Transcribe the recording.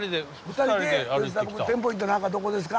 ２人で「テンポイントの墓どこですか？」